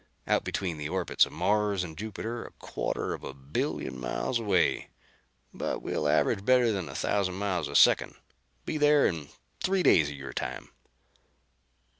Out between the orbits of Mars and Jupiter, a quarter of a billion miles away. But we'll average better than a thousand miles a second. Be there in three days of your time."